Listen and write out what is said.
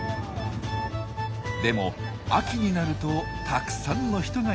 でも秋になるとたくさんの人がやって来るんです。